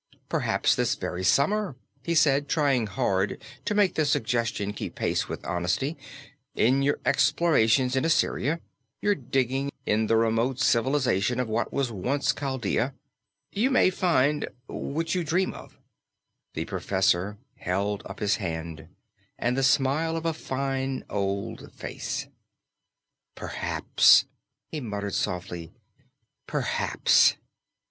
"Perhaps this very summer," he said, trying hard to make the suggestion keep pace with honesty; "in your explorations in Assyria your digging in the remote civilization of what was once Chaldea, you may find what you dream of " The professor held up his hand, and the smile of a fine old face. "Perhaps," he murmured softly, "perhaps!"